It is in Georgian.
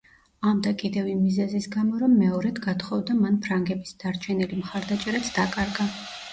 ამ და კიდევ იმ მიზეზის გამო, რომ მეორედ გათხოვდა, მან ფრანგების დარჩენილი მხარდაჭერაც დაკარგა.